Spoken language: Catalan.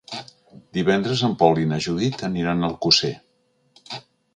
Divendres en Pol i na Judit aniran a Alcosser.